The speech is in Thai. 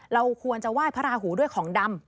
เราควรจะว่ายพระหูด้วยของดำ